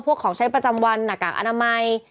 ของใช้ประจำวันหน้ากากอนามัย